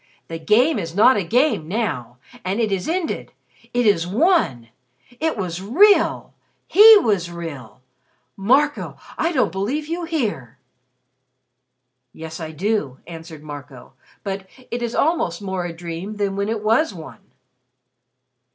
The Game is not a game now and it is ended it is won! It was real he was real! Marco, I don't believe you hear." "Yes, I do," answered Marco, "but it is almost more a dream than when it was one."